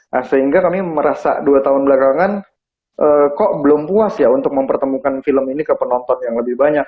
nah sehingga kami merasa dua tahun belakangan kok belum puas ya untuk mempertemukan film ini ke penonton yang lebih banyak